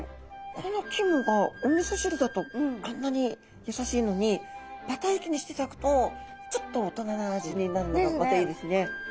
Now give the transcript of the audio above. この肝がおみそ汁だとあんなに優しいのにバター焼きにしていただくとちょっと大人な味になるのがまたいいですね。